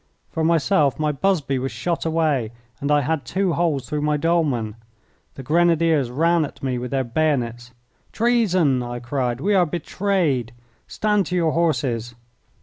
For myself, my busby was shot away and I had two holes through my dolman. The Grenadiers ran at me with their bayonets. "Treason!" I cried. "We are betrayed! Stand to your horses!"